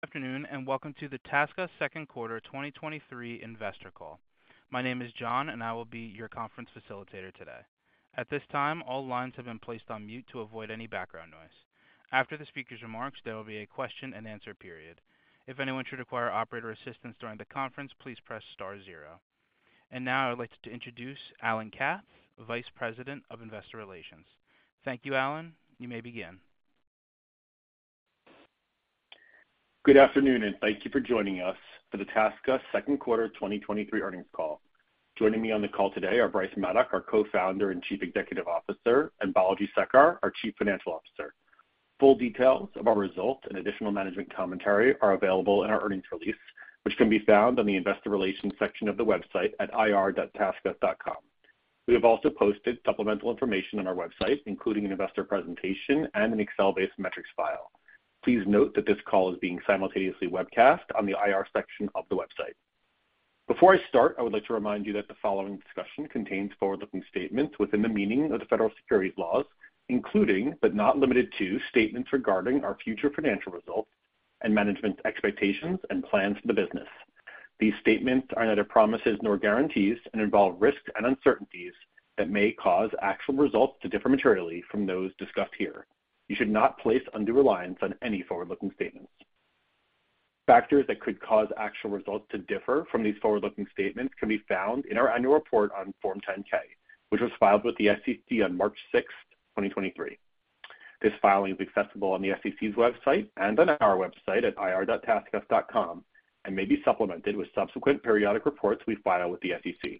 Good afternoon, welcome to the TaskUs second quarter 2023 investor call. My name is [John], and I will be your conference facilitator today. At this time, all lines have been placed on mute to avoid any background noise. After the speaker's remarks, there will be a question and answer period. If anyone should require operator assistance during the conference, please press star zero. Now I'd like to introduce Alan Katz, Vice President of Investor Relations. Thank you, Alan. You may begin. Good afternoon, thank you for joining us for the TaskUs second quarter 2023 earnings call. Joining me on the call today are Bryce Maddock, our Co-Founder and Chief Executive Officer, and Balaji Sekar, our Chief Financial Officer. Full details of our results and additional management commentary are available in our earnings release, which can be found on the investor relations section of the website at ir.taskus.com. We have also posted supplemental information on our website, including an investor presentation and an Excel-based metrics file. Please note that this call is being simultaneously webcast on the IR section of the website. Before I start, I would like to remind you that the following discussion contains forward-looking statements within the meaning of the federal securities laws, including, but not limited to, statements regarding our future financial results and management's expectations and plans for the business. These statements are neither promises nor guarantees and involve risks and uncertainties that may cause actual results to differ materially from those discussed here. You should not place undue reliance on any forward-looking statements. Factors that could cause actual results to differ from these forward-looking statements can be found in our annual report on Form 10-K, which was filed with the SEC on March 6, 2023. This filing is accessible on the SEC's website and on our website at ir.taskus.com, and may be supplemented with subsequent periodic reports we file with the SEC.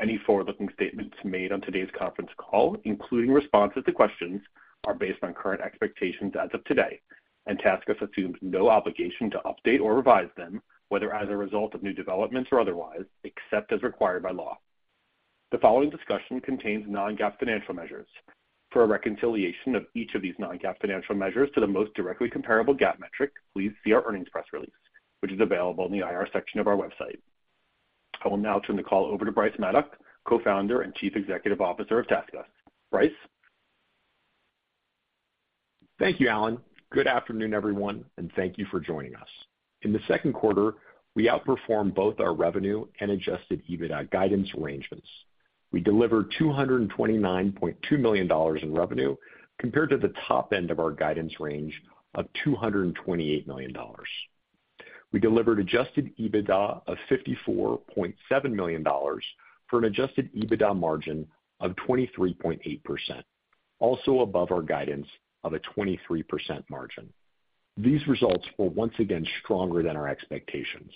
Any forward-looking statements made on today's conference call, including responses to questions, are based on current expectations as of today, and TaskUs assumes no obligation to update or revise them, whether as a result of new developments or otherwise, except as required by law. The following discussion contains non-GAAP financial measures. For a reconciliation of each of these non-GAAP financial measures to the most directly comparable GAAP metric, please see our earnings press release, which is available in the IR section of our website. I will now turn the call over to Bryce Maddock, Co-Founder and Chief Executive Officer of TaskUs. Bryce? Thank you, Alan. Good afternoon, everyone, and thank you for joining us. In the second quarter, we outperformed both our revenue and adjusted EBITDA guidance arrangements. We delivered $229.2 million in revenue compared to the top end of our guidance range of $228 million. We delivered adjusted EBITDA of $54.7 million, for an adjusted EBITDA margin of 23.8%, also above our guidance of a 23% margin. These results were once again stronger than our expectations.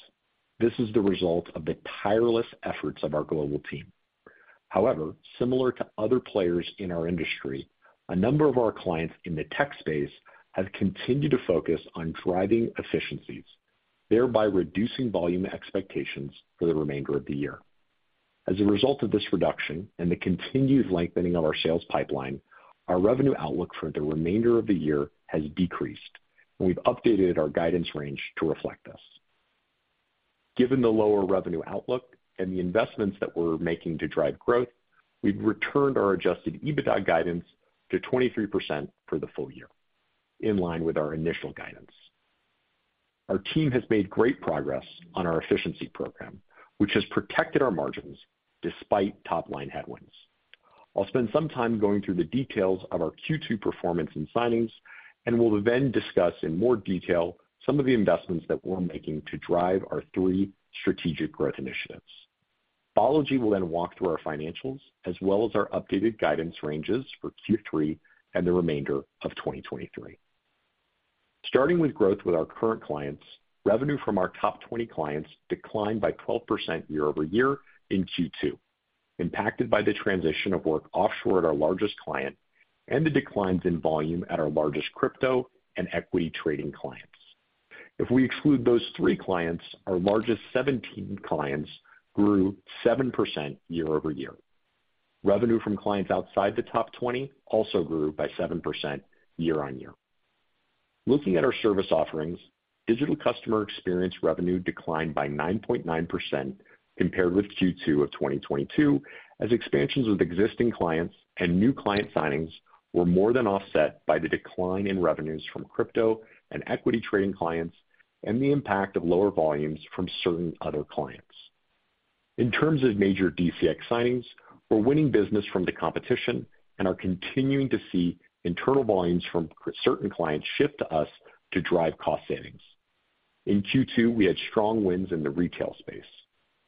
This is the result of the tireless efforts of our global team. However, similar to other players in our industry, a number of our clients in the tech space have continued to focus on driving efficiencies, thereby reducing volume expectations for the remainder of the year. As a result of this reduction and the continued lengthening of our sales pipeline, our revenue outlook for the remainder of the year has decreased, and we've updated our guidance range to reflect this. Given the lower revenue outlook and the investments that we're making to drive growth, we've returned our adjusted EBITDA guidance to 23% for the full year, in line with our initial guidance. Our team has made great progress on our efficiency program, which has protected our margins despite top-line headwinds. I'll spend some time going through the details of our Q2 performance and signings, and will then discuss in more detail some of the investments that we're making to drive our three strategic growth initiatives. Balaji will then walk through our financials as well as our updated guidance ranges for Q3 and the remainder of 2023. Starting with growth with our current clients, revenue from our top 20 clients declined by 12% year-over-year in Q2, impacted by the transition of work offshore at our largest client and the declines in volume at our largest crypto and equity trading clients. If we exclude those three clients, our largest 17 clients grew 7% year-over-year. Revenue from clients outside the top 20 also grew by 7% year-on-year. Looking at our service offerings, digital customer experience revenue declined by 9.9% compared with Q2 of 2022, as expansions with existing clients and new client signings were more than offset by the decline in revenues from crypto and equity trading clients and the impact of lower volumes from certain other clients. In terms of major DCX signings, we're winning business from the competition and are continuing to see internal volumes from certain clients shift to us to drive cost savings. In Q2, we had strong wins in the retail space.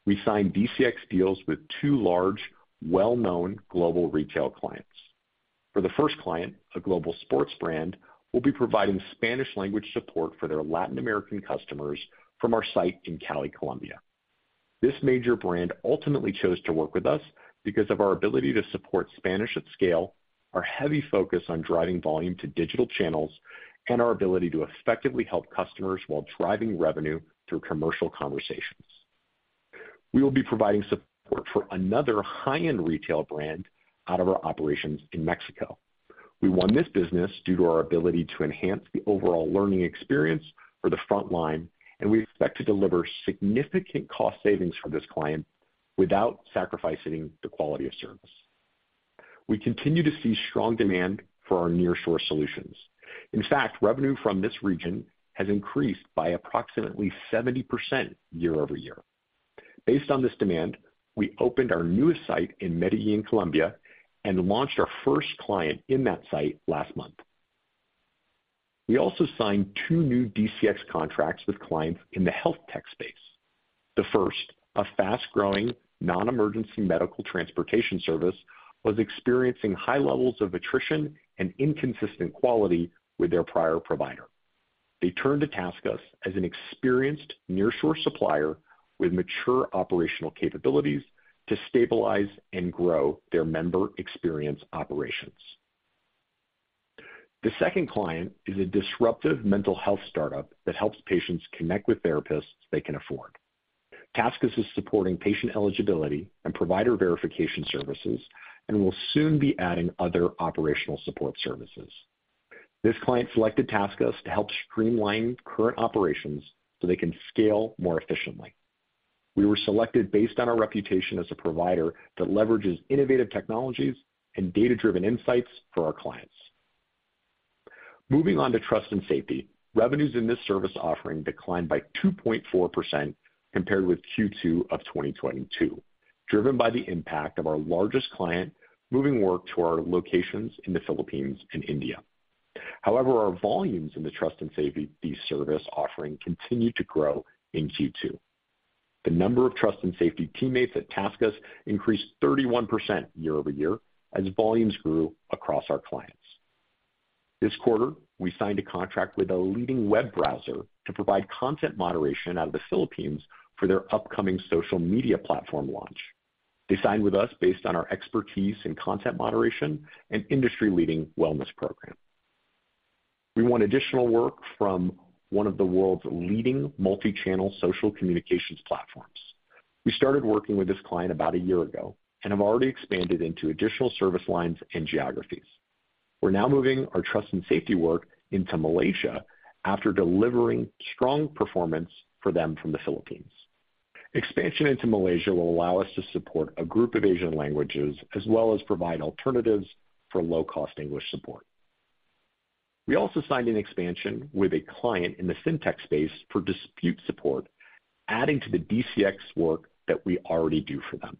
We signed DCX deals with two large, well-known global retail clients. For the first client, a global sports brand, we'll be providing Spanish language support for their Latin American customers from our site in Cali, Colombia. This major brand ultimately chose to work with us because of our ability to support Spanish at scale, our heavy focus on driving volume to digital channels, and our ability to effectively help customers while driving revenue through commercial conversations. We will be providing support for another high-end retail brand out of our operations in Mexico. We won this business due to our ability to enhance the overall learning experience for the front line, and we expect to deliver significant cost savings for this client without sacrificing the quality of service. We continue to see strong demand for our nearshore solutions. In fact, revenue from this region has increased by approximately 70% year-over-year. Based on this demand, we opened our newest site in Medellin, Colombia, and launched our first client in that site last month. We also signed two new DCX contracts with clients in the health tech space. The first, a fast-growing, non-emergency medical transportation service, was experiencing high levels of attrition and inconsistent quality with their prior provider. They turned to TaskUs as an experienced nearshore supplier with mature operational capabilities to stabilize and grow their member experience operations. The second client is a disruptive mental health startup that helps patients connect with therapists they can afford. TaskUs is supporting patient eligibility and provider verification services and will soon be adding other operational support services. This client selected TaskUs to help streamline current operations so they can scale more efficiently. We were selected based on our reputation as a provider that leverages innovative technologies and data-driven insights for our clients. Moving on to trust and safety. Revenues in this service offering declined by 2.4% compared with Q2 of 2022, driven by the impact of our largest client moving work to our locations in the Philippines and India. Our volumes in the trust and safety service offering continued to grow in Q2. The number of trust and safety teammates at TaskUs increased 31% year-over-year as volumes grew across our clients. This quarter, we signed a contract with a leading web browser to provide content moderation out of the Philippines for their upcoming social media platform launch. They signed with us based on our expertise in content moderation and industry-leading wellness program. We want additional work from one of the world's leading multi-channel social communications platforms. We started working with this client about a year ago and have already expanded into additional service lines and geographies. We're now moving our trust and safety work into Malaysia after delivering strong performance for them from the Philippines. Expansion into Malaysia will allow us to support a group of Asian languages as well as provide alternatives for low-cost English support. We also signed an expansion with a client in the FinTech space for dispute support, adding to the DCX work that we already do for them.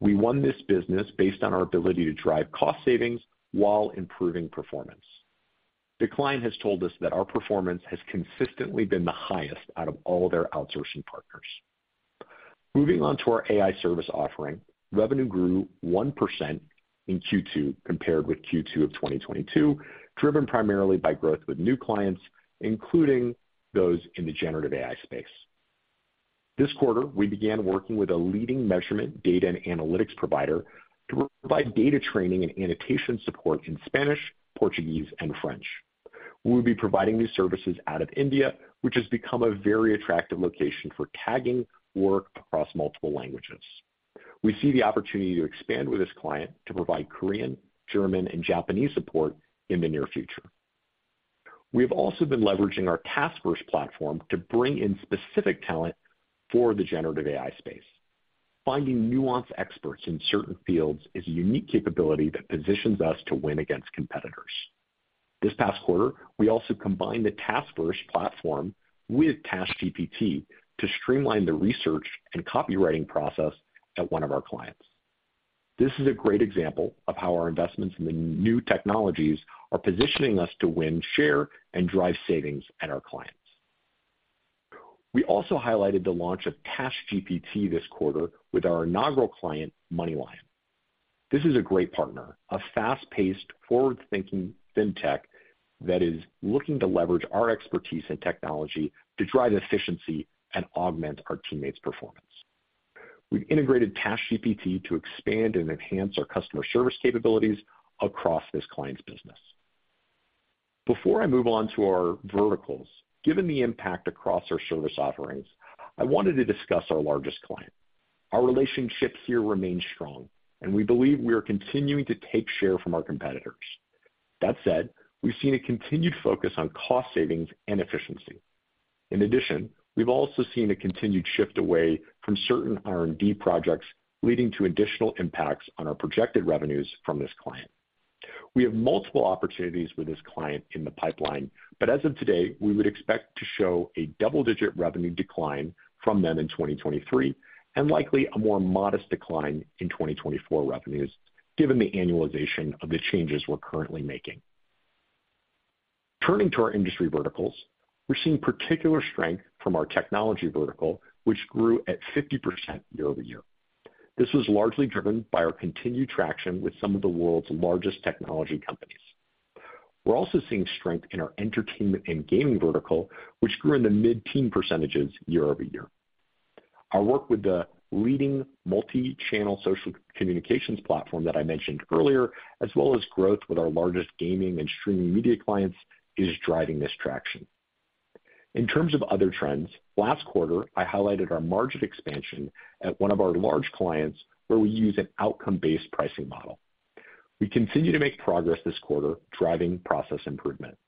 We won this business based on our ability to drive cost savings while improving performance. The client has told us that our performance has consistently been the highest out of all their outsourcing partners. Moving on to our AI service offering. Revenue grew 1% in Q2 compared with Q2 of 2022, driven primarily by growth with new clients, including those in the Generative AI space. This quarter, we began working with a leading measurement data and analytics provider to provide data training and annotation support in Spanish, Portuguese, and French. We will be providing these services out of India, which has become a very attractive location for tagging work across multiple languages. We see the opportunity to expand with this client to provide Korean, German, and Japanese support in the near future. We've also been leveraging our TaskVerse platform to bring in specific talent for the Generative AI space. Finding nuanced experts in certain fields is a unique capability that positions us to win against competitors. This past quarter, we also combined the TaskVerse platform with TaskGPT to streamline the research and copywriting process at one of our clients. This is a great example of how our investments in the new technologies are positioning us to win, share, and drive savings at our clients. We also highlighted the launch of TaskGPT this quarter with our inaugural client, MoneyLion. This is a great partner, a fast-paced, forward-thinking FinTech that is looking to leverage our expertise in technology to drive efficiency and augment our teammates' performance. We've integrated TaskGPT to expand and enhance our customer service capabilities across this client's business. Before I move on to our verticals, given the impact across our service offerings, I wanted to discuss our largest client. Our relationship here remains strong, and we believe we are continuing to take share from our competitors. That said, we've seen a continued focus on cost savings and efficiency. In addition, we've also seen a continued shift away from certain R&D projects, leading to additional impacts on our projected revenues from this client. We have multiple opportunities with this client in the pipeline, but as of today, we would expect to show a double-digit revenue decline from them in 2023, and likely a more modest decline in 2024 revenues, given the annualization of the changes we're currently making. Turning to our industry verticals. We're seeing particular strength from our technology vertical, which grew at 50% year-over-year. This was largely driven by our continued traction with some of the world's largest technology companies. We're also seeing strength in our entertainment and gaming vertical, which grew in the mid-teen% year-over-year. Our work with the leading multi-channel social communications platform that I mentioned earlier, as well as growth with our largest gaming and streaming media clients, is driving this traction. In terms of other trends, last quarter, I highlighted our margin expansion at one of our large clients, where we use an outcome-based pricing model. We continue to make progress this quarter, driving process improvement.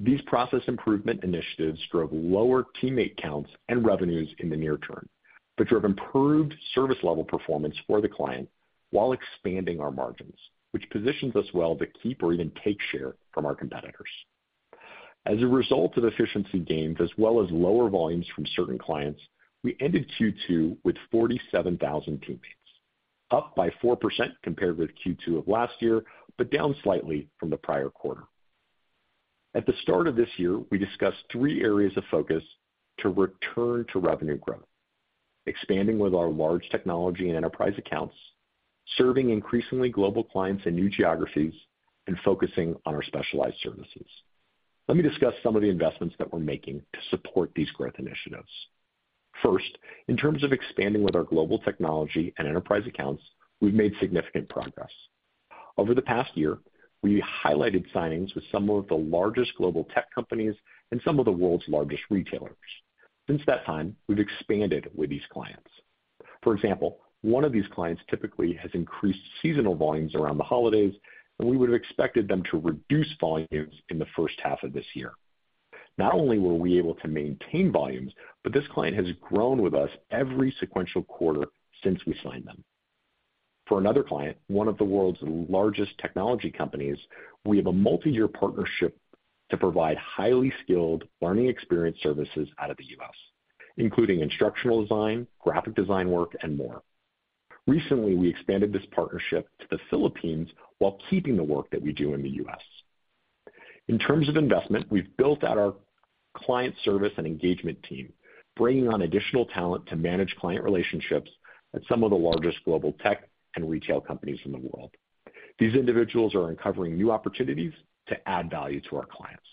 These process improvement initiatives drove lower teammate counts and revenues in the near term, but drove improved service level performance for the client while expanding our margins, which positions us well to keep or even take share from our competitors. As a result of efficiency gains as well as lower volumes from certain clients, we ended Q2 with 47,000 teammates, up by 4% compared with Q2 of last year, but down slightly from the prior quarter. At the start of this year, we discussed three areas of focus to return to revenue growth: expanding with our large technology and enterprise accounts, serving increasingly global clients in new geographies, and focusing on our specialized services. Let me discuss some of the investments that we're making to support these growth initiatives. First, in terms of expanding with our global technology and enterprise accounts, we've made significant progress. Over the past year, we highlighted signings with some of the largest global tech companies and some of the world's largest retailers. Since that time, we've expanded with these clients. For example, one of these clients typically has increased seasonal volumes around the holidays, and we would have expected them to reduce volumes in the first half of this year. Not only were we able to maintain volumes, but this client has grown with us every sequential quarter since we signed them. For another client, one of the world's largest technology companies, we have a multiyear partnership to provide highly skilled learning experience services out of the US, including instructional design, graphic design work, and more. Recently, we expanded this partnership to the Philippines while keeping the work that we do in the US. In terms of investment, we've built out our client service and engagement team, bringing on additional talent to manage client relationships at some of the largest global tech and retail companies in the world. These individuals are uncovering new opportunities to add value to our clients.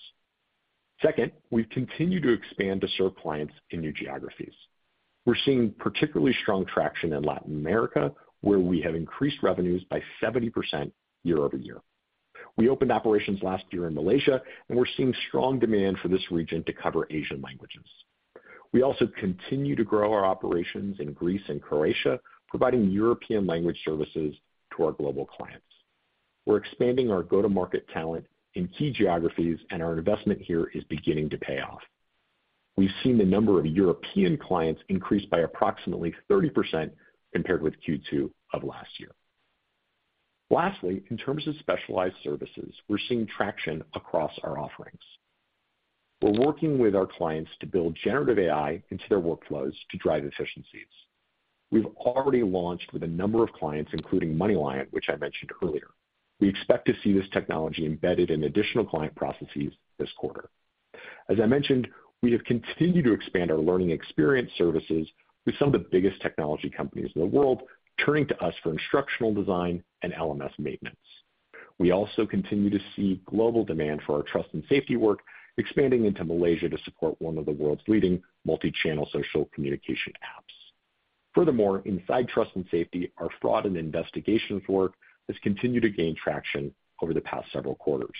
Second, we've continued to expand to serve clients in new geographies. We're seeing particularly strong traction in Latin America, where we have increased revenues by 70% year-over-year. We opened operations last year in Malaysia, and we're seeing strong demand for this region to cover Asian languages. We also continue to grow our operations in Greece and Croatia, providing European language services to our global clients. We're expanding our go-to-market talent in key geographies, and our investment here is beginning to pay off. We've seen the number of European clients increase by approximately 30% compared with Q2 of last year. Lastly, in terms of specialized services, we're seeing traction across our offerings. We're working with our clients to build Generative AI into their workflows to drive efficiencies. We've already launched with a number of clients, including MoneyLion, which I mentioned earlier. We expect to see this technology embedded in additional client processes this quarter. As I mentioned, we have continued to expand our learning experience services with some of the biggest technology companies in the world, turning to us for instructional design and LMS maintenance. We also continue to see global demand for our trust and safety work, expanding into Malaysia to support one of the world's leading multi-channel social communication apps. Furthermore, inside trust and safety, our fraud and investigations work has continued to gain traction over the past several quarters.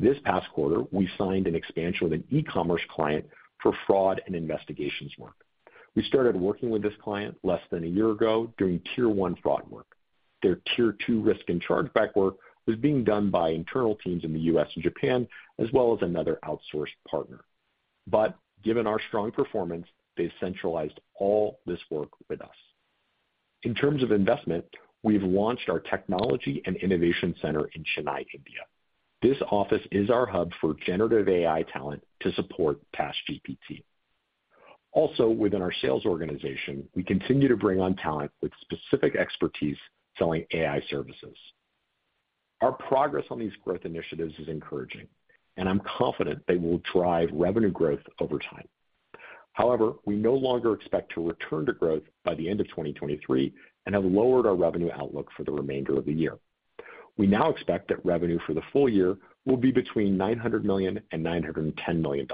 This past quarter, we signed an expansion with an e-commerce client for fraud and investigations work. We started working with this client less than a year ago, doing Tier 1 fraud work. Their Tier 2 risk and chargeback work was being done by internal teams in the U.S. and Japan, as well as another outsourced partner. Given our strong performance, they centralized all this work with us. In terms of investment, we've launched our technology and innovation center in Chennai, India. This office is our hub for Generative AI talent to support TaskGPT. Also, within our sales organization, we continue to bring on talent with specific expertise selling AI Services. Our progress on these growth initiatives is encouraging, and I'm confident they will drive revenue growth over time. However, we no longer expect to return to growth by the end of 2023 and have lowered our revenue outlook for the remainder of the year. We now expect that revenue for the full year will be between $900 million and $910 million.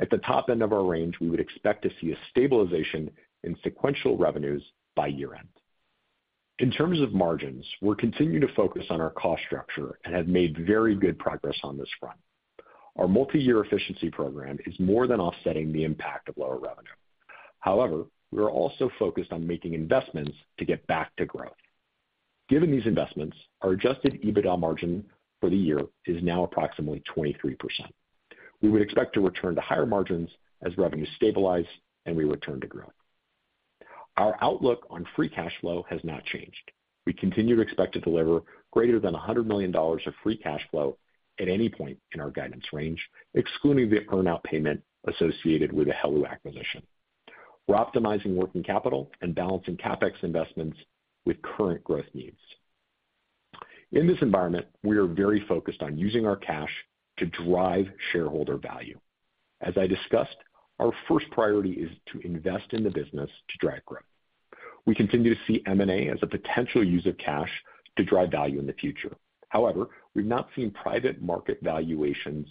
At the top end of our range, we would expect to see a stabilization in sequential revenues by year-end. In terms of margins, we're continuing to focus on our cost structure and have made very good progress on this front. Our multi-year efficiency program is more than offsetting the impact of lower revenue. However, we are also focused on making investments to get back to growth. Given these investments, our adjusted EBITDA margin for the year is now approximately 23%. We would expect to return to higher margins as revenues stabilize and we return to growth. Our outlook on free cash flow has not changed. We continue to expect to deliver greater than $100 million of free cash flow at any point in our guidance range, excluding the earn-out payment associated with the helo acquisition. We're optimizing working capital and balancing CapEx investments with current growth needs. In this environment, we are very focused on using our cash to drive shareholder value. As I discussed, our first priority is to invest in the business to drive growth. We continue to see M&A as a potential use of cash to drive value in the future. However, we've not seen private market valuations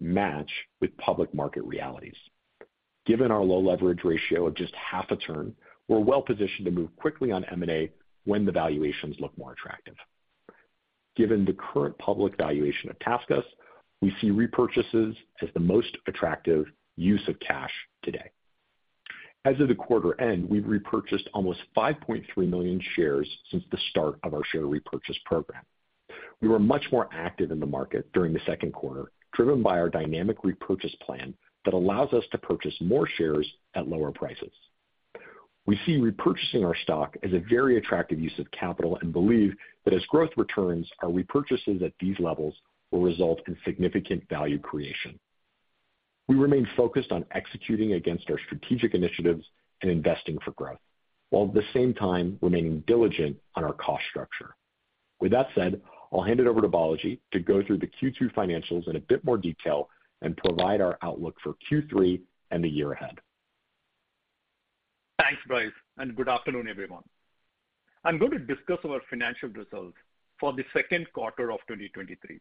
match with public market realities. Given our low leverage ratio of just half a turn, we're well positioned to move quickly on M&A when the valuations look more attractive. Given the current public valuation of TaskUs, we see repurchases as the most attractive use of cash today. As of the quarter end, we've repurchased almost 5.3 million shares since the start of our share repurchase program. We were much more active in the market during the second quarter, driven by our dynamic repurchase plan that allows us to purchase more shares at lower prices. We see repurchasing our stock as a very attractive use of capital and believe that as growth returns, our repurchases at these levels will result in significant value creation. We remain focused on executing against our strategic initiatives and investing for growth, while at the same time remaining diligent on our cost structure. With that said, I'll hand it over to Balaji to go through the Q2 financials in a bit more detail and provide our outlook for Q3 and the year ahead. Thanks, Bryce. Good afternoon, everyone. I'm going to discuss our financial results for the second quarter of 2023.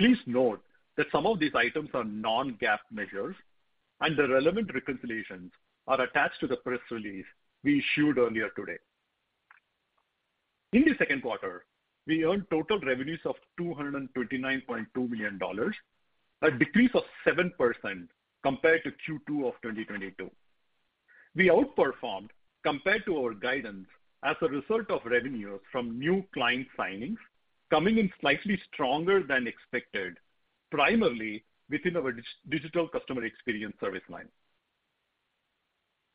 Please note that some of these items are non-GAAP measures. The relevant reconciliations are attached to the press release we issued earlier today. In the second quarter, we earned total revenues of $229.2 million, a decrease of 7% compared to Q2 of 2022. We outperformed compared to our guidance as a result of revenues from new client signings, coming in slightly stronger than expected, primarily within our digital customer experience service line.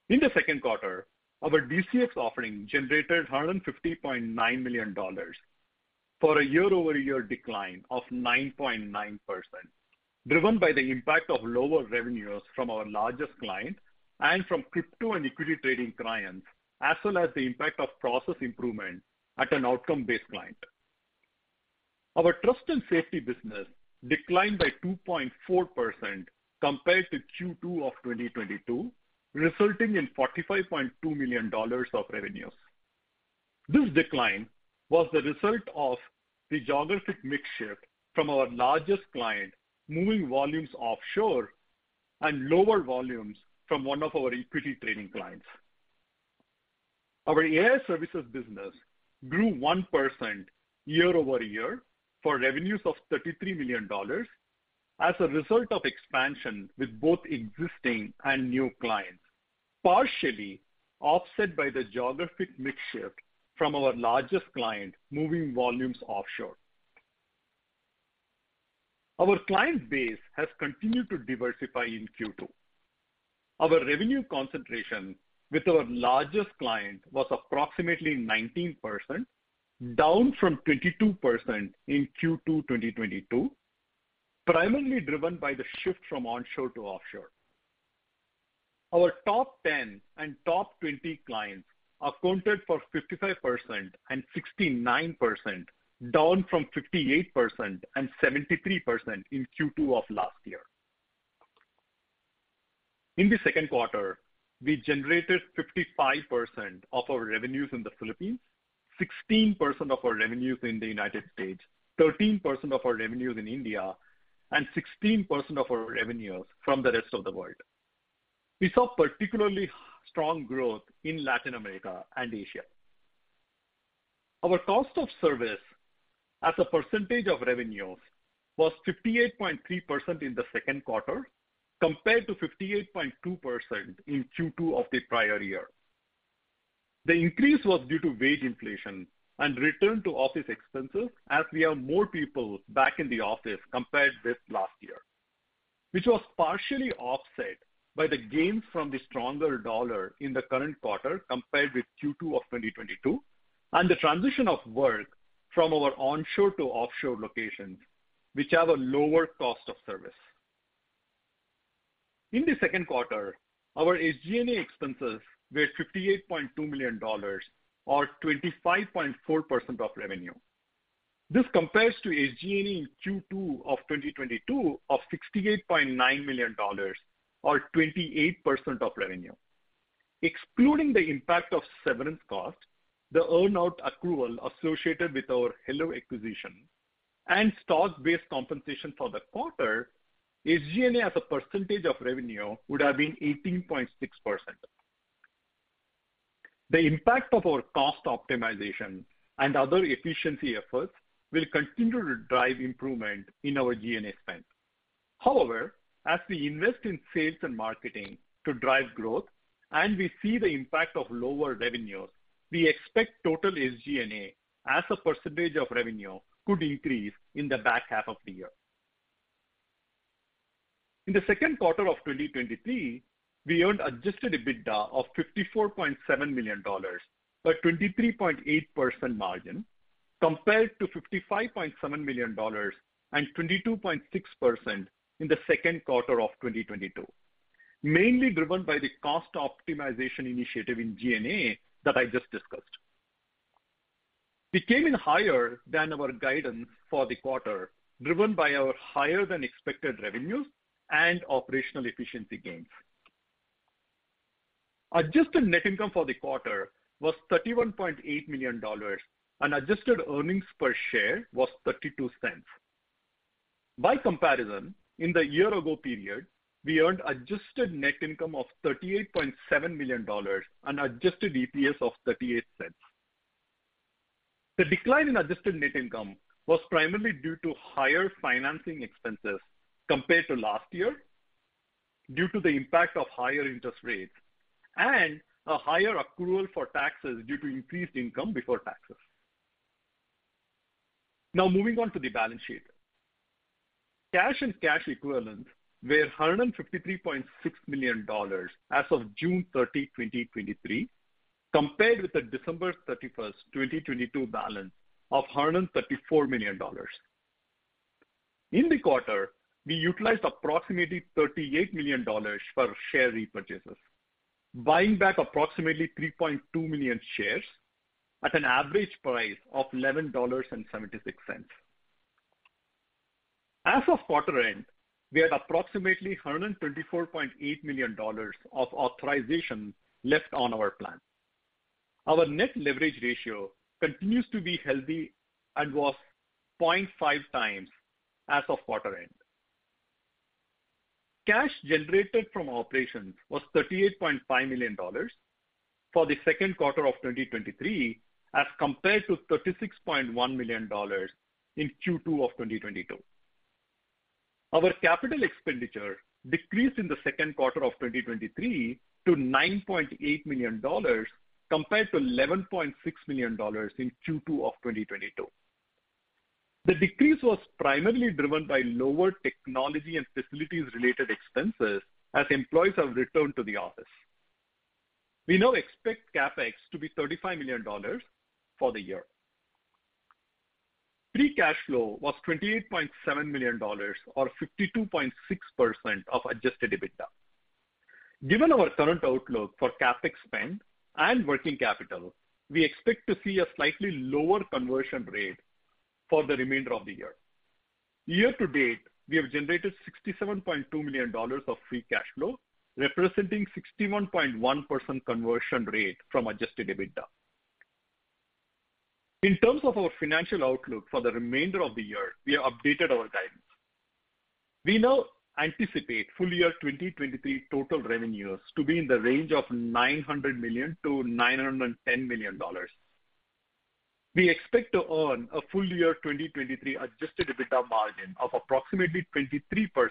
In the second quarter, our DCX offering generated $150.9 million, for a year-over-year decline of 9.9%, driven by the impact of lower revenues from our largest client and from crypto and equity trading clients, as well as the impact of process improvement at an outcome-based client. Our trust and safety business declined by 2.4% compared to Q2 of 2022, resulting in $45.2 million of revenues. This decline was the result of the geographic mix shift from our largest client moving volumes offshore and lower volumes from one of our equity trading clients. Our AI Services business grew 1% year-over-year for revenues of $33 million as a result of expansion with both existing and new clients, partially offset by the geographic mix shift from our largest client moving volumes offshore. Our client base has continued to diversify in Q2. Our revenue concentration with our largest client was approximately 19%, down from 22% in Q2 2022, primarily driven by the shift from onshore to offshore. Our top 10 and top 20 clients accounted for 55% and 69%, down from 58% and 73% in Q2 of last year. In the second quarter, we generated 55% of our revenues in the Philippines, 16% of our revenues in the United States, 13% of our revenues in India, and 16% of our revenues from the rest of the world. We saw particularly strong growth in Latin America and Asia. Our cost of service as a percentage of revenues was 58.3% in the second quarter, compared to 58.2% in Q2 of the prior year. The increase was due to wage inflation and return to office expenses, as we have more people back in the office compared with last year, which was partially offset by the gains from the stronger dollar in the current quarter compared with Q2 of 2022, and the transition of work from our onshore to offshore locations, which have a lower cost of service. In the second quarter, our SG&A expenses were $58.2 million or 25.4% of revenue. This compares to SG&A in Q2 of 2022 of $68.9 million or 28% of revenue. Excluding the impact of severance costs, the earn-out accrual associated with our heloo acquisition and stock-based compensation for the quarter, SG&A as a percentage of revenue would have been 18.6%. The impact of our cost optimization and other efficiency efforts will continue to drive improvement in our G&A spend. However, as we invest in sales and marketing to drive growth and we see the impact of lower revenues, we expect total SG&A as a percentage of revenue could increase in the back half of the year. In the second quarter of 2023, we earned adjusted EBITDA of $54.7 million, a 23.8% margin, compared to $55.7 million and 22.6% in the second quarter of 2022, mainly driven by the cost optimization initiative in G&A that I just discussed. We came in higher than our guidance for the quarter, driven by our higher-than-expected revenues and operational efficiency gains. Adjusted net income for the quarter was $31.8 million, and adjusted earnings per share was $0.32. By comparison, in the year ago period, we earned adjusted net income of $38.7 million and adjusted EPS of $0.38. The decline in adjusted net income was primarily due to higher financing expenses compared to last year, due to the impact of higher interest rates and a higher accrual for taxes due to increased income before taxes. Moving on to the balance sheet. Cash and cash equivalents were $153.6 million as of June 30, 2023, compared with the December 31, 2022 balance of $134 million. In the quarter, we utilized approximately $38 million for share repurchases, buying back approximately 3.2 million shares at an average price of $11.76. As of quarter end, we had approximately $124.8 million of authorization left on our plan. Our net leverage ratio continues to be healthy and was 0.5x as of quarter end. Cash generated from operations was $38.5 million for Q2 2023, as compared to $36.1 million in Q2 2022. Our capital expenditure decreased in Q2 2023 to $9.8 million, compared to $11.6 million in Q2 2022. The decrease was primarily driven by lower technology and facilities-related expenses as employees have returned to the office. We now expect CapEx to be $35 million for the year. Free cash flow was $28.7 million or 52.6% of adjusted EBITDA. Given our current outlook for CapEx spend and working capital, we expect to see a slightly lower conversion rate for the remainder of the year. Year to date, we have generated $67.2 million of free cash flow, representing 61.1% conversion rate from adjusted EBITDA. In terms of our financial outlook for the remainder of the year, we have updated our guidance. We now anticipate full year 2023 total revenues to be in the range of $900 million-$910 million. We expect to earn a full year 2023 adjusted EBITDA margin of approximately 23%,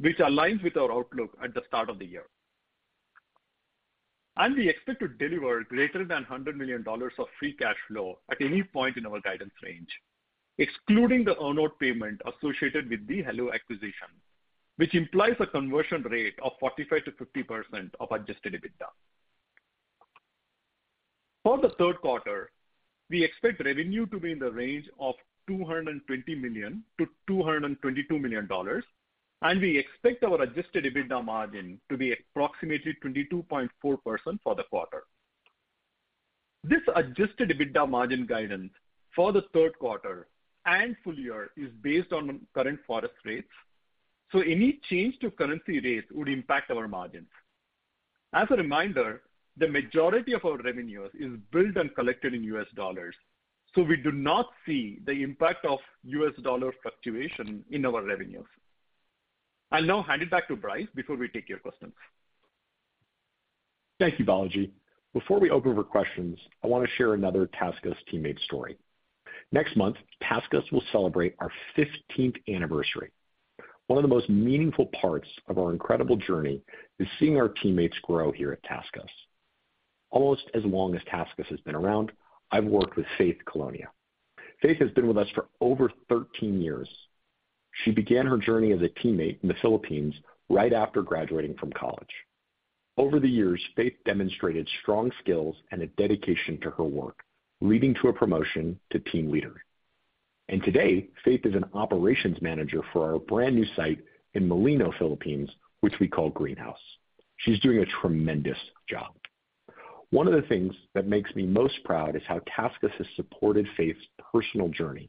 which aligns with our outlook at the start of the year. We expect to deliver greater than $100 million of free cash flow at any point in our guidance range, excluding the earnout payment associated with the heloo acquisition, which implies a conversion rate of 45%-50% of adjusted EBITDA. For the third quarter, we expect revenue to be in the range of $220 million-$222 million, and we expect our adjusted EBITDA margin to be approximately 22.4% for the quarter. This adjusted EBITDA margin guidance for the third quarter and full year is based on current ForEx rates, any change to currency rates would impact our margins. As a reminder, the majority of our revenues is billed and collected in US dollars, we do not see the impact of US dollar fluctuation in our revenues. I'll now hand it back to Bryce before we take your questions. Thank you, Balaji. Before we open for questions, I want to share another TaskUs teammate story. Next month, TaskUs will celebrate our 15th anniversary. One of the most meaningful parts of our incredible journey is seeing our teammates grow here at TaskUs. Almost as long as TaskUs has been around, I've worked with Faith Colonia. Faith has been with us for over 13 years. She began her journey as a teammate in the Philippines right after graduating from college. Over the years, Faith demonstrated strong skills and a dedication to her work, leading to a promotion to team leader. Today, Faith is an operations manager for our brand new site in Molino, Philippines, which we call Greenhouse. She's doing a tremendous job. One of the things that makes me most proud is how TaskUs has supported Faith's personal journey.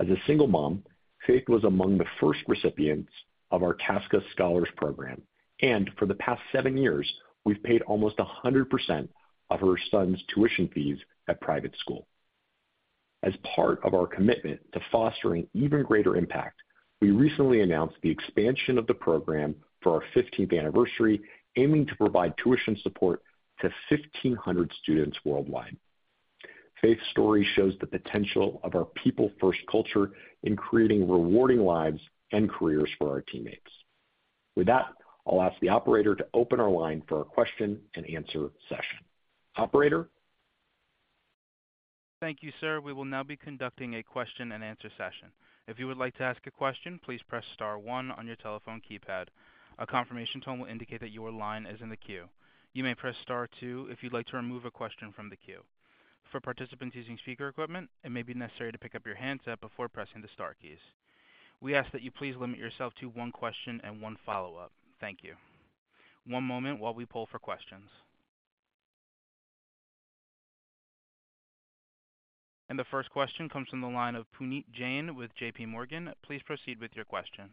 As a single mom, Faith was among the first recipients of our TaskUs Scholars Program, and for the past seven years, we've paid almost 100% of her son's tuition fees at private school. As part of our commitment to fostering even greater impact, we recently announced the expansion of the program for our 15th anniversary, aiming to provide tuition support to 1,500 students worldwide. Faith's story shows the potential of our people-first culture in creating rewarding lives and careers for our teammates. With that, I'll ask the operator to open our line for our question and answer session. Operator? Thank you, sir. We will now be conducting a question-and-answer session. If you would like to ask a question, please press star one on your telephone keypad. A confirmation tone will indicate that your line is in the queue. You may press star two if you'd like to remove a question from the queue. For participants using speaker equipment, it may be necessary to pick up your handset before pressing the star keys. We ask that you please limit yourself to one question and one follow-up. Thank you. One moment while we pull for questions. The first question comes from the line of Puneet Jain with JPMorgan. Please proceed with your question.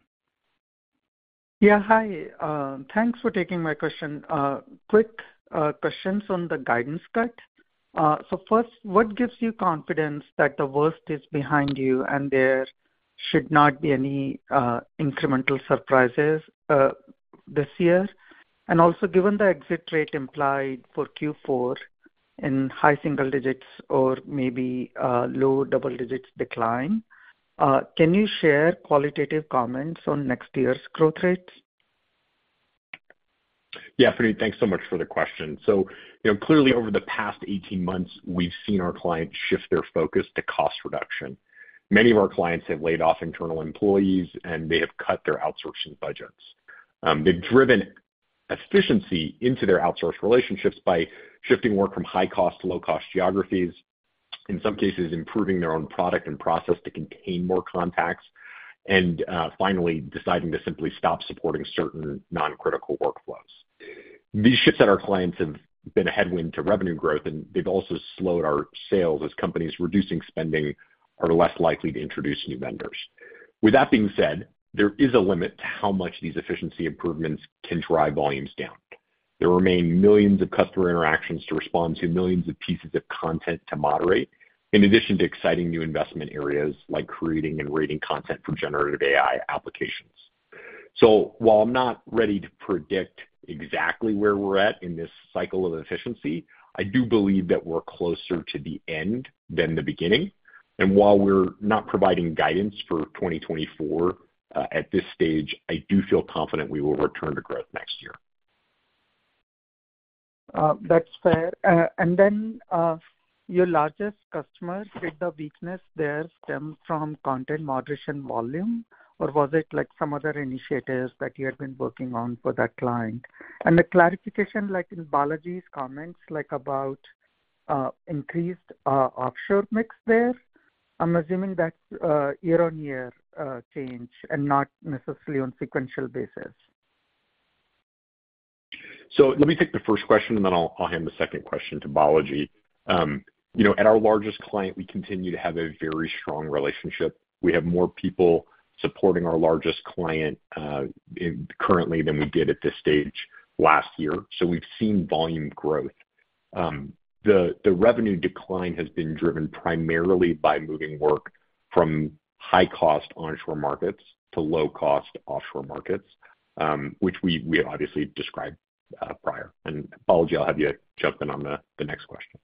Yeah, hi. Thanks for taking my question. Quick questions on the guidance cut. First, what gives you confidence that the worst is behind you and there should not be any incremental surprises? This year, and also given the exit rate implied for Q4 in high single digits or maybe, low double digits decline, can you share qualitative comments on next year's growth rates? Yeah, Puneet, thanks so much for the question. You know, clearly, over the past 18 months, we've seen our clients shift their focus to cost reduction. Many of our clients have laid off internal employees, and they have cut their outsourcing budgets. They've driven efficiency into their outsource relationships by shifting work from high-cost to low-cost geographies, in some cases improving their own product and process to contain more contacts, and, finally, deciding to simply stop supporting certain non-critical workflows. These shifts at our clients have been a headwind to revenue growth, and they've also slowed our sales, as companies reducing spending are less likely to introduce new vendors. With that being said, there is a limit to how much these efficiency improvements can drive volumes down. There remain millions of customer interactions to respond to, millions of pieces of content to moderate, in addition to exciting new investment areas like creating and rating content for Generative AI applications. While I'm not ready to predict exactly where we're at in this cycle of efficiency, I do believe that we're closer to the end than the beginning. While we're not providing guidance for 2024, at this stage, I do feel confident we will return to growth next year. That's fair. Your largest customer, did the weakness there stem from content moderation volume, or was it, like, some other initiatives that you had been working on for that client? A clarification, like, in Balaji's comments, like, about increased offshore mix there. I'm assuming that's year-on-year change and not necessarily on sequential basis. Let me take the first question, and then I'll, I'll hand the second question to Balaji. You know, at our largest client, we continue to have a very strong relationship. We have more people supporting our largest client, currently than we did at this stage last year, so we've seen volume growth. The, the revenue decline has been driven primarily by moving work from high-cost onshore markets to low-cost offshore markets, which we, we obviously described, prior. Balaji, I'll have you jump in on the, the next question.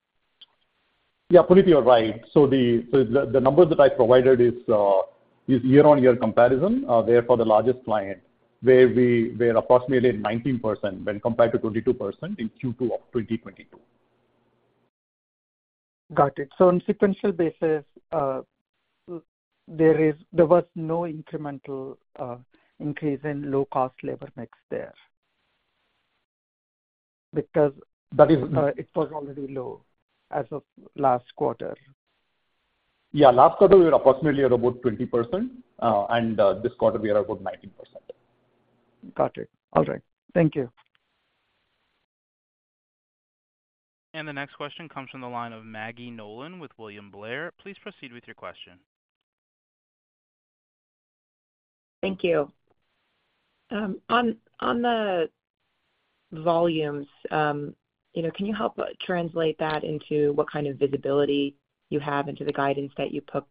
Yeah, Puneet, you're right. The number that I provided is year-on-year comparison, therefore, the largest client, where we were approximately 19% when compared to 22% in Q2 of 2022. Got it. On sequential basis, there was no incremental increase in low-cost labor mix there? Because that is, it was already low as of last quarter. Yeah, last quarter, we were approximately at about 20%, and, this quarter we are about 19%. Got it. All right, thank you. The next question comes from the line of Maggie Nolan with William Blair. Please proceed with your question. Thank you. On the volumes, you know, can you help translate that into what kind of visibility you have into the guidance that you put,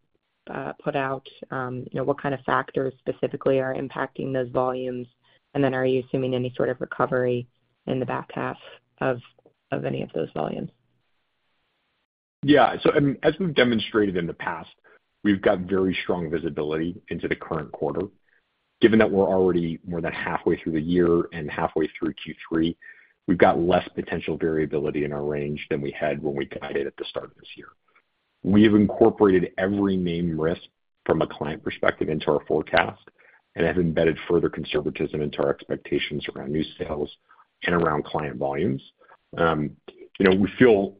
put out? You know, what kind of factors specifically are impacting those volumes? Then are you assuming any sort of recovery in the back half of any of those volumes? I mean, as we've demonstrated in the past, we've got very strong visibility into the current quarter. Given that we're already more than halfway through the year and halfway through Q3, we've got less potential variability in our range than we had when we guided at the start of this year. We have incorporated every main risk from a client perspective into our forecast and have embedded further conservatism into our expectations around new sales and around client volumes. You know, we feel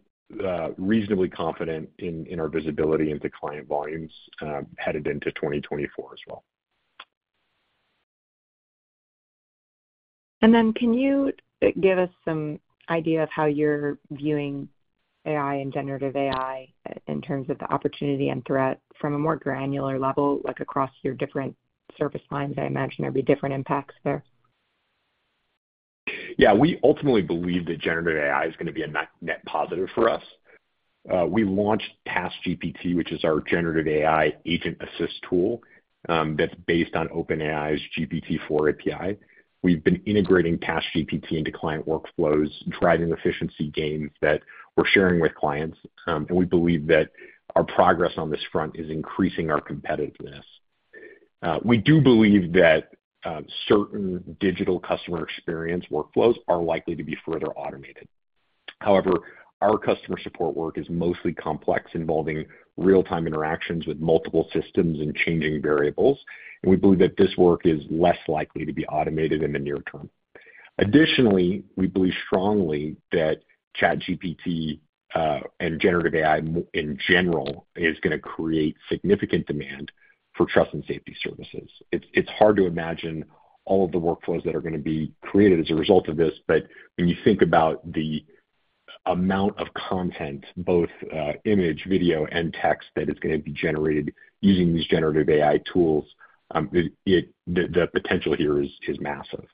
reasonably confident in our visibility into client volumes headed into 2024 as well. Then can you give us some idea of how you're viewing AI and Generative AI in terms of the opportunity and threat from a more granular level, like, across your different service lines? I imagine there'll be different impacts there. Yeah, we ultimately believe that generative AI is going to be a net, net positive for us. We launched TaskGPT, which is our Generative AI agent assist tool, that's based on OpenAI's GPT-4 API. We've been integrating TaskGPT into client workflows, driving efficiency gains that we're sharing with clients, we believe that our progress on this front is increasing our competitiveness. We do believe that certain digital customer experience workflows are likely to be further automated. However, our customer support work is mostly complex, involving real-time interactions with multiple systems and changing variables, we believe that this work is less likely to be automated in the near term. Additionally, we believe strongly that ChatGPT, Generative AI in general, is going to create significant demand for trust and safety services. It's hard to imagine all of the workflows that are gonna be created as a result of this, when you think about the amount of content, both, image, video, and text, that is gonna be generated using these generative AI tools, the potential here is massive.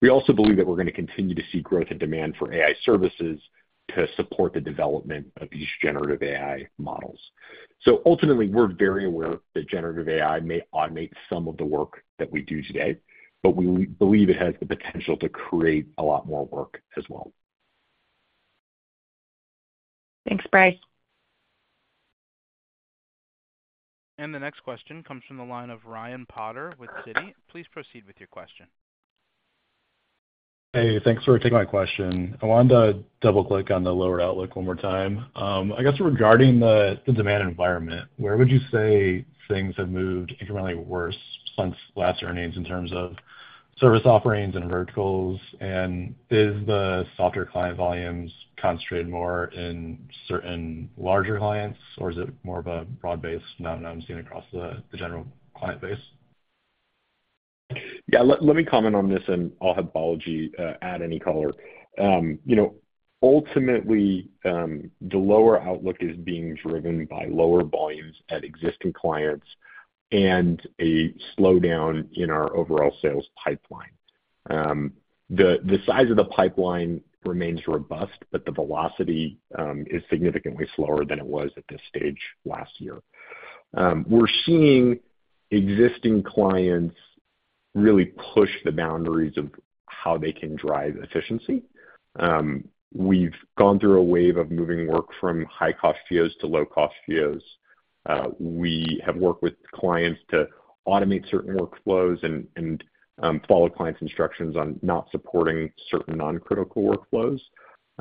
We also believe that we're gonna continue to see growth and demand for AI Services to support the development of these generative AI models. Ultimately, we're very aware that generative AI may automate some of the work that we do today, we believe it has the potential to create a lot more work as well. Thanks, Bryce. The next question comes from the line of Ryan Potter with Citi. Please proceed with your question. Hey, thanks for taking my question. I wanted to double-click on the lower outlook one more time. I guess regarding the demand environment, where would you say things have moved incrementally worse since last earnings in terms of service offerings and verticals? Is the softer client volumes concentrated more in certain larger clients, or is it more of a broad-based phenomenon seen across the general client base? Yeah, let, let me comment on this, and I'll have Balaji add any color. You know, ultimately, the lower outlook is being driven by lower volumes at existing clients and a slowdown in our overall sales pipeline. The, the size of the pipeline remains robust, but the velocity is significantly slower than it was at this stage last year. We're seeing existing clients really push the boundaries of how they can drive efficiency. We've gone through a wave of moving work from high-cost COEs to low-cost COEs. We have worked with clients to automate certain workflows and, and, follow clients' instructions on not supporting certain non-critical workflows.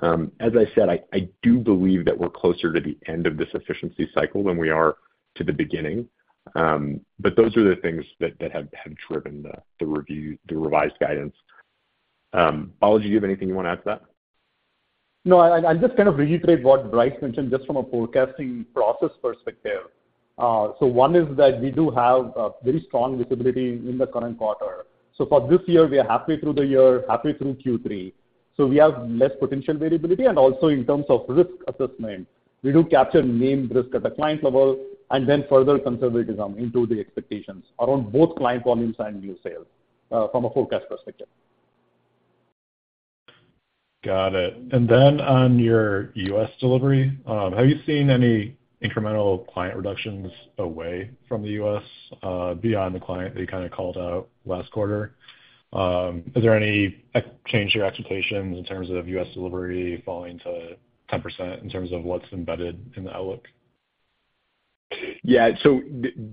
As I said, I, I do believe that we're closer to the end of this efficiency cycle than we are to the beginning. Those are the things that, that have, have driven the, the review, the revised guidance. Balaji, do you have anything you want to add to that? No, I, I'll just kind of reiterate what Bryce mentioned, just from a forecasting process perspective. One is that we do have a very strong visibility in the current quarter. For this year, we are halfway through the year, halfway through Q3, so we have less potential variability. Also in terms of risk assessment, we do capture main risk at the client level and then further conservatism into the expectations around both client volumes and new sales, from a forecast perspective. Got it. Then on your US delivery, have you seen any incremental client reductions away from the US, beyond the client that you kind of called out last quarter? Is there any change to your expectations in terms of US delivery falling to 10% in terms of what's embedded in the outlook? Yeah.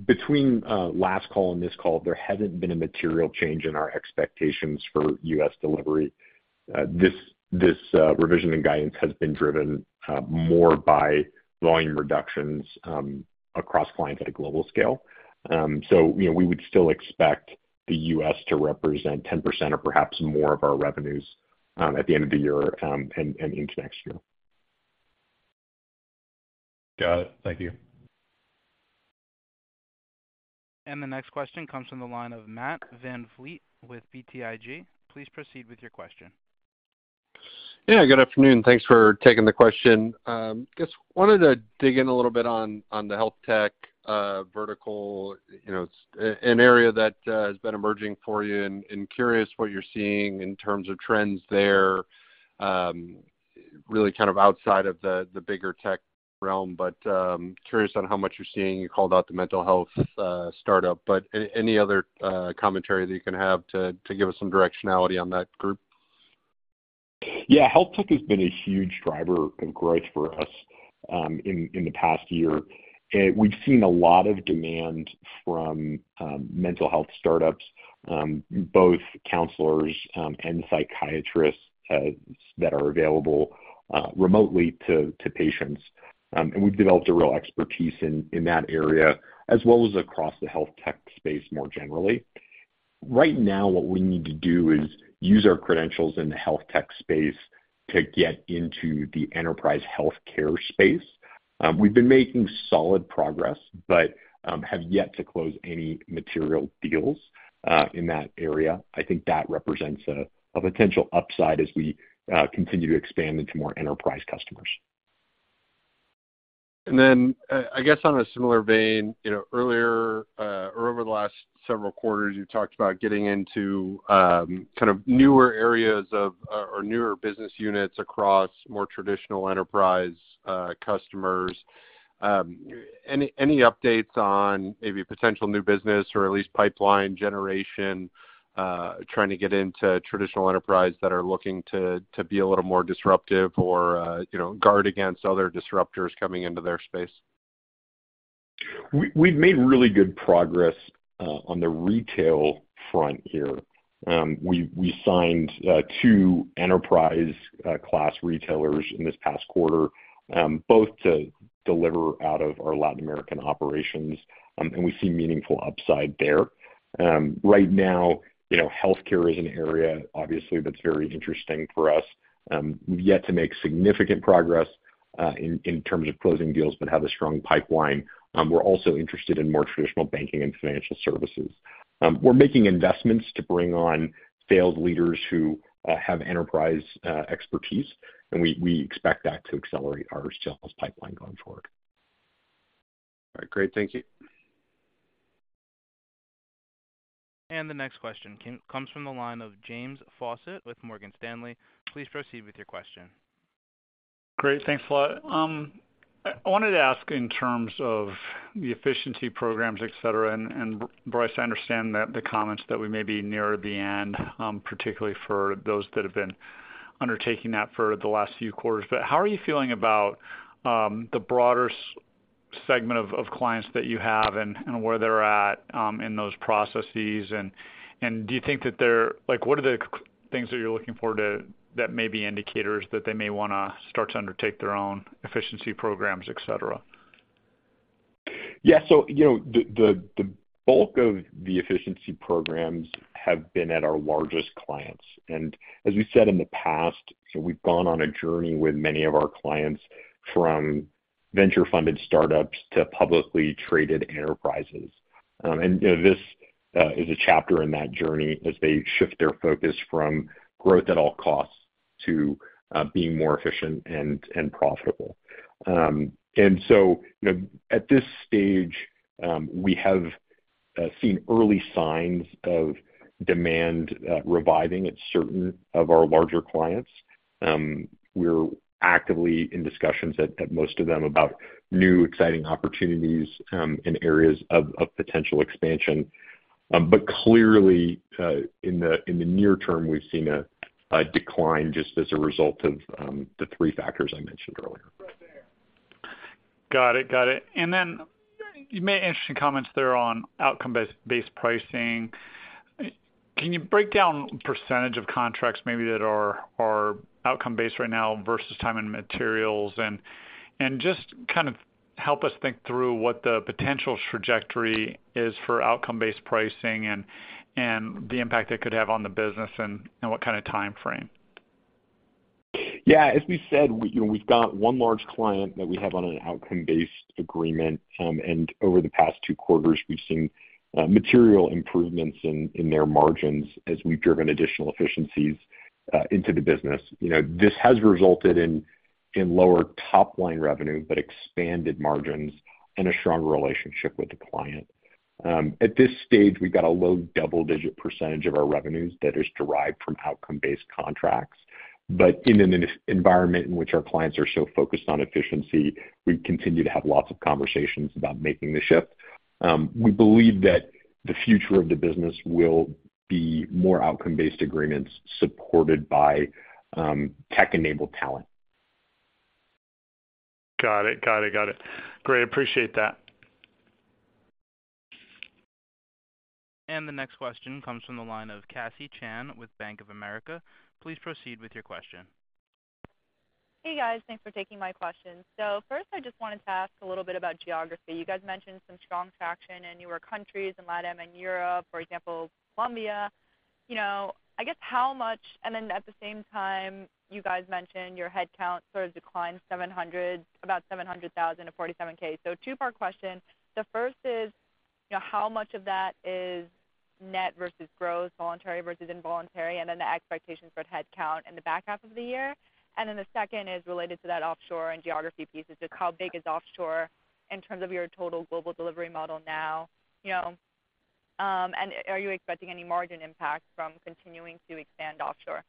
Between last call and this call, there hasn't been a material change in our expectations for U.S. delivery. This, this revision and guidance has been driven more by volume reductions across clients at a global scale. You know, we would still expect the U.S. to represent 10% or perhaps more of our revenues at the end of the year and into next year. Got it. Thank you. The next question comes from the line of Matt VanVliet with BTIG. Please proceed with your question. Yeah, good afternoon, thanks for taking the question. Just wanted to dig in a little bit on the health tech vertical. You know, it's an area that has been emerging for you, and curious what you're seeing in terms of trends there. Really kind of outside of the bigger tech realm, but curious on how much you're seeing. You called out the mental health startup, but any other commentary that you can have to give us some directionality on that group? Yeah, health tech has been a huge driver of growth for us, in, in the past year. We've seen a lot of demand from, mental health startups, both counselors, and psychiatrists, that are available, remotely to, to patients. We've developed a real expertise in, in that area, as well as across the health tech space more generally. Right now, what we need to do is use our credentials in the health tech space to get into the enterprise healthcare space. We've been making solid progress, but, have yet to close any material deals, in that area. I think that represents a, a potential upside as we, continue to expand into more enterprise customers. Then, I guess on a similar vein, you know, earlier, or over the last several quarters, you talked about getting into, kind of newer areas of, or newer business units across more traditional enterprise customers. Any, any updates on maybe potential new business or at least pipeline generation, trying to get into traditional enterprise that are looking to, to be a little more disruptive or, you know, guard against other disruptors coming into their space? We've made really good progress on the retail front here. We signed two enterprise class retailers in this past quarter, both to deliver out of our Latin American operations. We see meaningful upside there. Right now, you know, healthcare is an area, obviously, that's very interesting for us. We've yet to make significant progress in terms of closing deals, but have a strong pipeline. We're also interested in more traditional banking and financial services. We're making investments to bring on sales leaders who have enterprise expertise, and we expect that to accelerate our sales pipeline going forward. All right. Great. Thank you. The next question comes from the line of James Faucette with Morgan Stanley. Please proceed with your question. Great. Thanks a lot. I, I wanted to ask in terms of the efficiency programs, et cetera, and Bryce, I understand that the comments that we may be near the end, particularly for those that have been undertaking that for the last few quarters. How are you feeling about the broader segment of clients that you have and where they're at in those processes? And do you think that they're like, what are the things that you're looking for to, that may be indicators that they may wanna start to undertake their own efficiency programs, et cetera? Yeah. You know, the, the, the bulk of the efficiency programs have been at our largest clients. As we said in the past, we've gone on a journey with many of our clients, from venture-funded startups to publicly traded enterprises. You know, this is a chapter in that journey as they shift their focus from growth at all costs to being more efficient and profitable. You know, at this stage, we have seen early signs of demand reviving at certain of our larger clients. We're actively in discussions at, at most of them about new, exciting opportunities in areas of, of potential expansion. Clearly, in the, in the near term, we've seen a, a decline just as a result of the 3 factors I mentioned earlier. Got it. Got it. Then you made interesting comments there on outcome-based pricing. Can you break down percentage of contracts maybe that are outcome-based right now versus time and materials? Just kind of help us think through what the potential trajectory is for outcome-based pricing and the impact it could have on the business and what kind of timeframe. Yeah. As we said, we, you know, we've got one large client that we have on an outcome-based agreement. Over the past two quarters, we've seen material improvements in their margins as we've driven additional efficiencies into the business. You know, this has resulted in lower top-line revenue, but expanded margins and a stronger relationship with the client. At this stage, we've got a low double-digit % of our revenues that is derived from outcome-based contracts. In an environment in which our clients are so focused on efficiency, we continue to have lots of conversations about making the shift. We believe that the future of the business will be more outcome-based agreements supported by tech-enabled talent. Got it. Got it. Got it. Great. Appreciate that. The next question comes from the line of Cathy Chen with Bank of America. Please proceed with your question. Hey, guys. Thanks for taking my question. First, I just wanted to ask a little bit about geography. You guys mentioned some strong traction in newer countries, in Latin and Europe, for example, Colombia. I guess how much... At the same time, you guys mentioned your headcount sort of declined 700, about 700,000 to 47k. Two-part question. The first is, you know, how much of that is net versus growth, voluntary versus involuntary, and then the expectations for headcount in the back half of the year? The second is related to that offshore and geography piece. It's just how big is offshore in terms of your total global delivery model now? You know, and are you expecting any margin impact from continuing to expand offshore?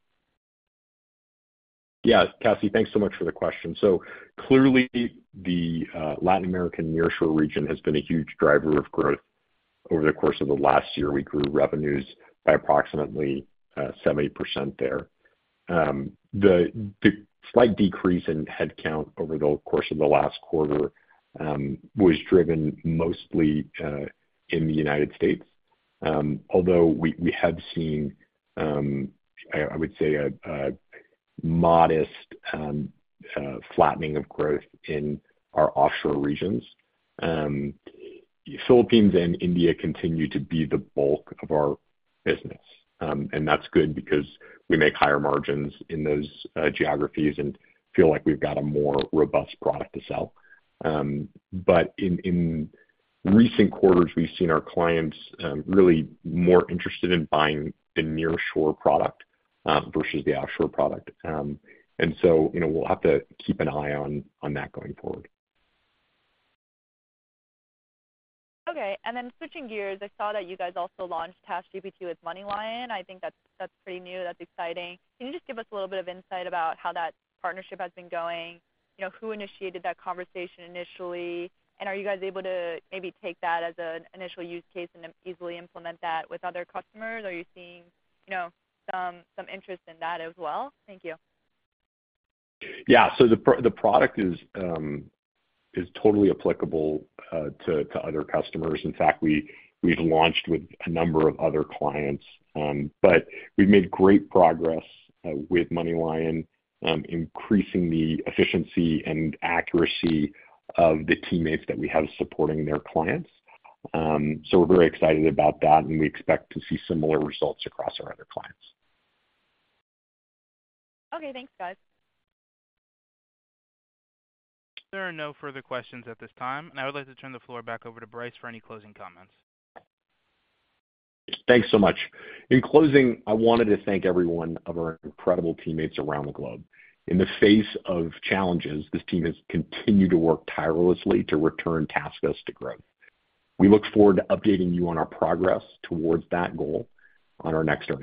Yes, Cassie, thanks so much for the question. Clearly, the Latin American nearshore region has been a huge driver of growth over the course of the last year. We grew revenues by approximately 70% there. The slight decrease in headcount over the course of the last quarter was driven mostly in the United States. Although we have seen, I would say, a modest flattening of growth in our offshore regions. Philippines and India continue to be the bulk of our business, and that's good because we make higher margins in those geographies and feel like we've got a more robust product to sell. In recent quarters, we've seen our clients really more interested in buying the nearshore product versus the offshore product. You know, we'll have to keep an eye on, on that going forward. Okay. Then switching gears, I saw that you guys also launched TaskGPT with MoneyLion. I think that's, that's pretty new. That's exciting. Can you just give us a little bit of insight about how that partnership has been going? You know, who initiated that conversation initially, and are you guys able to maybe take that as an initial use case and then easily implement that with other customers? Are you seeing, you know, some, some interest in that as well? Thank you. Yeah. The product is, is totally applicable, to, to other customers. In fact, we, we've launched with a number of other clients, but we've made great progress, with MoneyLion, increasing the efficiency and accuracy of the teammates that we have supporting their clients. We're very excited about that, and we expect to see similar results across our other clients. Okay, thanks, guys. There are no further questions at this time, and I would like to turn the floor back over to Bryce for any closing comments. Thanks so much. In closing, I wanted to thank everyone of our incredible teammates around the globe. In the face of challenges, this team has continued to work tirelessly to return TaskUs to growth. We look forward to updating you on our progress towards that goal on our next earnings call.